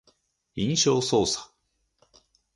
印象操作